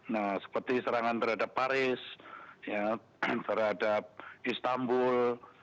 nah seperti serangan terhadap paris terhadap istanbul